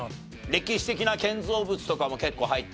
歴史的な建造物とかも結構入ってますし。